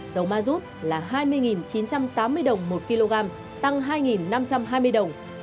dầu ma rút là hai mươi chín trăm tám mươi đồng một kg tăng hai năm trăm hai mươi đồng